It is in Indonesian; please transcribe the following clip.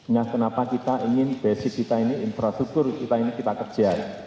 nah kenapa kita ingin basic kita ini infrastruktur kita ini kita kerjain